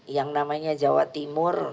yang namanya jawa timur